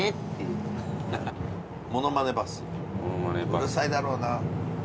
うるさいだろうな。